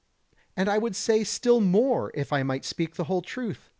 And I would say still more if I might speak the whole truth.